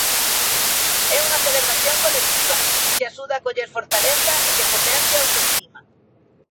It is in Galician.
É unha celebración colectiva, que axuda a coller fortaleza e que potencia a autoestima.